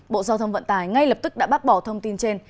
bộ giao thông vận tải ngay lập tức đã bác bỏ thông tin trên